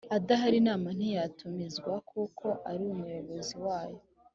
Adahari inama ntiya tumizwa kuko ari umuyobozi wayo